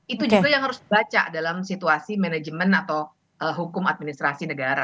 itu juga yang harus dibaca dalam situasi manajemen atau hukum administrasi negara